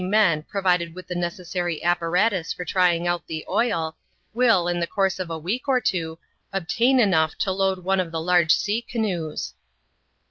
men, provided with the necessary apparatus for trying out the oil, will, in the course of a week or two, obtain enough to load one of the large sea canoes.